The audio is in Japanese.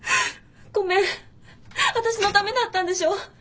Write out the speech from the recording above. ごめん私のためだったんでしょ？